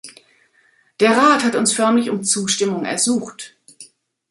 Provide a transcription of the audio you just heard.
Der Rat hat uns förmlich um Zustimmung ersucht.